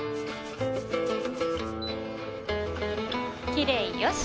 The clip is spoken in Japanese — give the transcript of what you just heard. きれいよし！